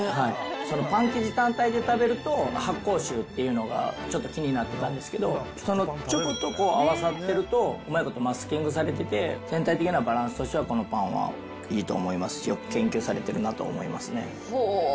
そのパン生地単体で食べると、発酵臭っていうのが、ちょっと気になってたんですけど、チョコと合わさってると、うまいことマスキングされてて、全体としてこのパンはいいと思いますし、よく研究されてるなと思いますね。